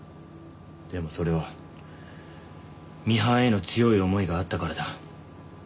でもそれはミハンへの強い思いがあったからだ。